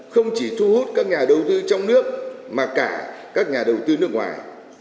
không chỉ thu hút các nhà đầu tư trong nước mà cả các nhà đầu tư nước ngoài